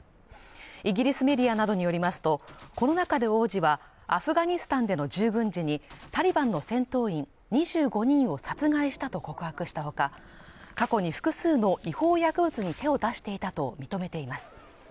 イギリスメディアなどによりますとこの中で王子はアフガニスタンでの従軍時にタリバンの戦闘員２５人を殺害したと告白したほか過去に複数の違法薬物に手を出していたと認めています